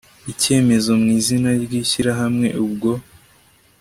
icyemezo mu izina ry ishyirahamwe Ubwo